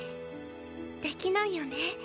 できないよね。